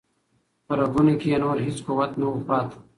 په رګونو کې یې نور هیڅ قوت نه و پاتې.